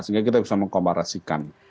sehingga kita bisa mengkomparasikan